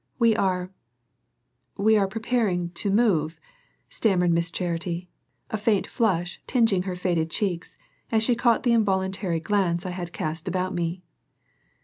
"We are we are preparing to move," stammered Miss Charity, a faint flush tingeing her faded cheeks, as she caught the involuntary glance I had cast about me.